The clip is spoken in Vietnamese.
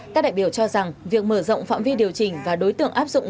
các đại biểu cho rằng việc mở rộng phạm vi điều chỉnh và đối tượng áp dụng